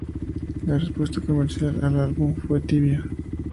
La respuesta comercial al álbum fue tibia.